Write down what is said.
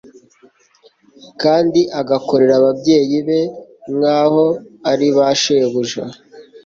kandi agakorera ababyeyi be nk'aho ari ba shebuja